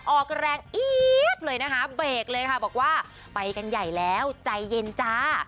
ออกแรงเอี๊ยดเลยนะคะเบรกเลยค่ะบอกว่าไปกันใหญ่แล้วใจเย็นจ้า